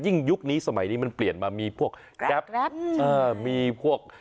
ยุคนี้สมัยนี้มันเปลี่ยนมามีพวกแก๊ปมีพวก